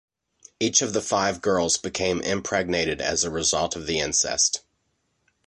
Each of the five girls became impregnated as a result of the incest.